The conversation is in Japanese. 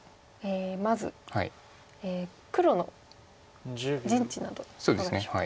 まず黒の陣地などいかがでしょうか？